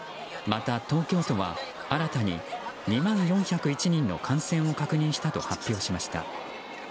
また東京都は新たに２万４０１人の感染を確認したと発表しました。